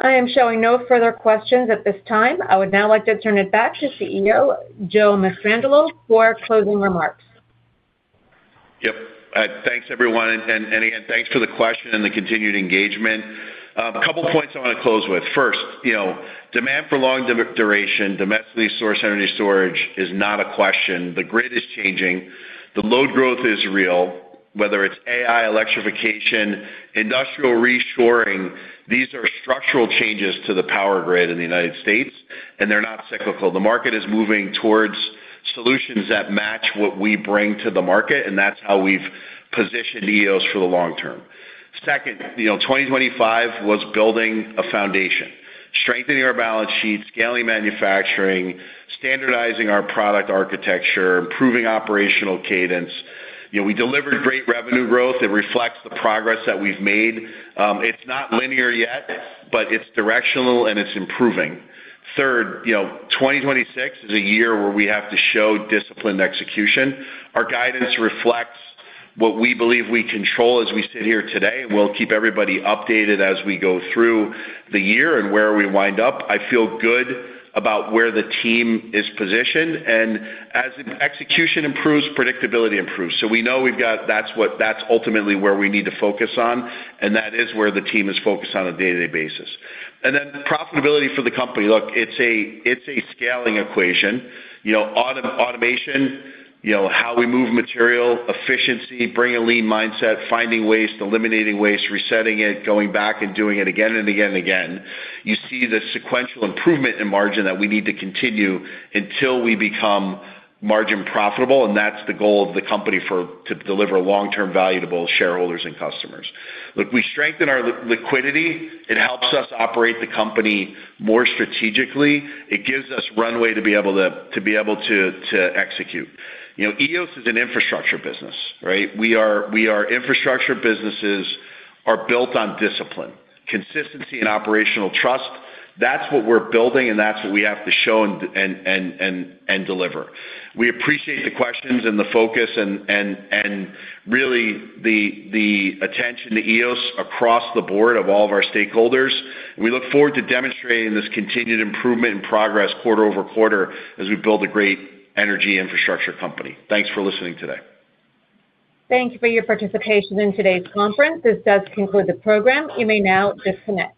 I am showing no further questions at this time. I would now like to turn it back to CEO, Joe Mastrangelo, for closing remarks. Yep. Thanks, everyone. Again, thanks for the question and the continued engagement. A couple points I want to close with. First, you know, demand for long duration, domestically sourced energy storage is not a question. The grid is changing. The load growth is real, whether it's AI, electrification, industrial reshoring. These are structural changes to the power grid in the United States, and they're not cyclical. The market is moving towards solutions that match what we bring to the market, and that's how we've positioned Eos for the long term. Second, you know, 2025 was building a foundation, strengthening our balance sheet, scaling manufacturing, standardizing our product architecture, improving operational cadence. You know, we delivered great revenue growth. It reflects the progress that we've made. It's not linear yet, but it's directional, and it's improving. Third, you know, 2026 is a year where we have to show disciplined execution. Our guidance reflects what we believe we control as we sit here today. We'll keep everybody updated as we go through the year and where we wind up. I feel good about where the team is positioned. As execution improves, predictability improves. We know that's what, that's ultimately where we need to focus on. That is where the team is focused on a day-to-day basis. Profitability for the company. Look, it's a, it's a scaling equation. You know, automation, you know, how we move material, efficiency, bringing a lean mindset, finding waste, eliminating waste, resetting it, going back and doing it again and again. You see the sequential improvement in margin that we need to continue until we become margin profitable. That's the goal of the company to deliver long-term value to both shareholders and customers. Look, we strengthen our liquidity. It helps us operate the company more strategically. It gives us runway to be able to execute. You know, Eos is an infrastructure business, right? We are infrastructure businesses are built on discipline, consistency, and operational trust. That's what we're building. That's what we have to show and deliver. We appreciate the questions and the focus and really the attention to Eos across the board of all of our stakeholders. We look forward to demonstrating this continued improvement and progress quarter-over-quarter as we build a great energy infrastructure company. Thanks for listening today. Thank you for your participation in today's conference. This does conclude the program. You may now disconnect.